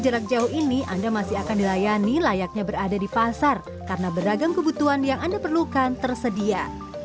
jarak jauh ini anda masih akan dilayani layaknya berada di pasar karena beragam kebutuhan yang anda perlukan tersedia